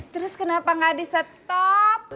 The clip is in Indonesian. terus kenapa enggak disetop